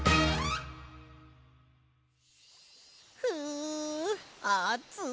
うあつい。